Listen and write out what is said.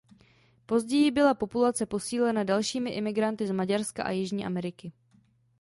Později byla populace posílena dalšími imigranty z Maďarska a Jižní Ameriky.